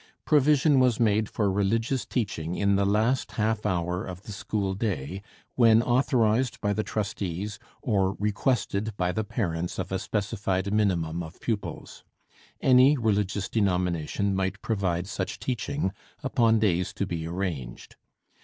Provision was made for religious teaching in the last half hour of the school day, when authorized by the trustees or requested by the parents of a specified minimum of pupils. Any religious denomination might provide such teaching, upon days to be arranged.